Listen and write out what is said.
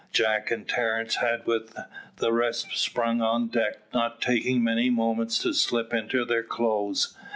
Jack and Terence had with the rest sprung on deck, not taking many moments to slip into their clothes.